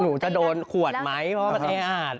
หนูจะโดนขวดไหมเพราะเทอัต